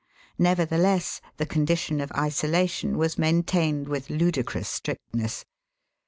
Nevertheless, the condition of isolation was maintained with ludicrous strictness.